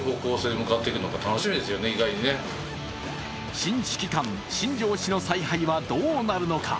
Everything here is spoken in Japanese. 新指揮官、新庄氏の采配はどうなるのか。